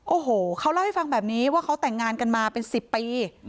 โอ้โหเขาเล่าให้ฟังแบบนี้ว่าเขาแต่งงานกันมาเป็น๑๐ปี